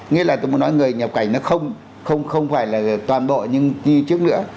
nghĩa là tôi muốn nói người nhập cảnh nó không phải là toàn bộ như trước nữa